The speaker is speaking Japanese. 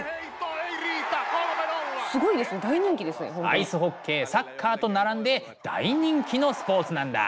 アイスホッケーサッカーと並んで大人気のスポーツなんだ。